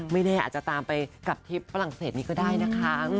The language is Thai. ไม่แน่อาจจะตามไปกับทริปฝรั่งเศสนี้ก็ได้นะคะ